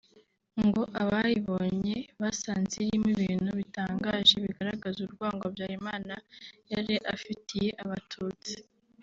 ngo abayibonye basanze irimo ibintu bitangaje bigaragaza urwango Habyarimana yari afitiye abatutsi